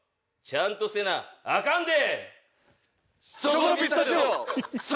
ちゃんとせなアカンで！